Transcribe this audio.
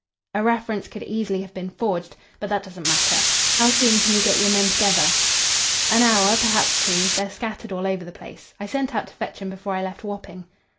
"A reference could easily have been forged. But that doesn't matter. How soon can you get your men together?" "An hour, perhaps two. They're scattered all over the place. I sent out to fetch 'em before I left Wapping."